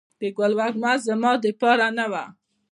د ګل وږمه زما دپار نه وه